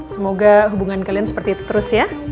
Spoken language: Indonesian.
semoga hubungan kalian seperti itu terus ya